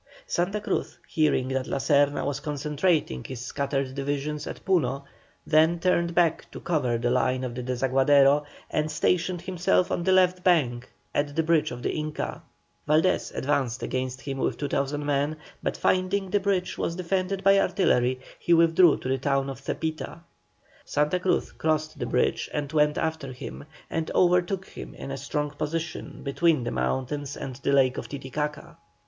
Santa Cruz, hearing that La Serna was concentrating his scattered divisions at Puno, then turned back to cover the line of the Desaguadero, and stationed himself on the left bank at the bridge of the Inca. Valdés advanced against him with 2,000 men, but finding the bridge was defended by artillery, he withdrew to the town of Zepita. Santa Cruz crossed the bridge and went after him, and overtook him in a strong position between the mountains and the lake of Titicaca.